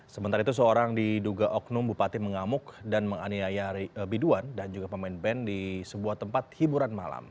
sementara itu seorang diduga oknum bupati mengamuk dan menganiaya biduan dan juga pemain band di sebuah tempat hiburan malam